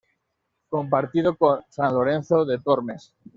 Compartido con San Lorenzo de Tormes.